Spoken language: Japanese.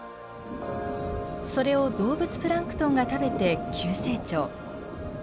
それを動物プランクトンが食べて急成長。